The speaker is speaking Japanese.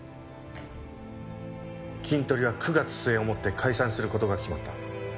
キントリは９月末をもって解散する事が決まった。